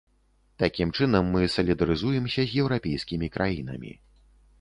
Такім чынам мы салідарызуемся з еўрапейскімі краінамі.